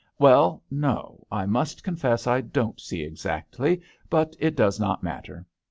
" Well, no, I must confess I don't see exactly ; but it does not matter.